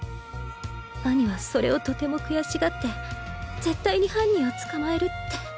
兄はそれをとても悔しがって絶対に犯人を捕まえるって。